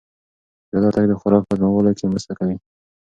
پیاده تګ د خوراک په هضمولو کې مرسته کوي.